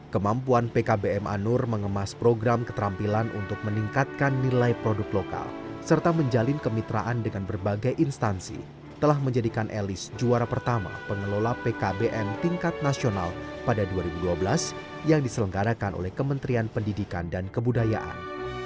kemampuan pkbm anur mengemas program keterampilan untuk meningkatkan nilai produk lokal serta menjalin kemitraan dengan berbagai instansi telah menjadikan elis juara pertama pengelola pkbn tingkat nasional pada dua ribu dua belas yang diselenggarakan oleh kementerian pendidikan dan kebudayaan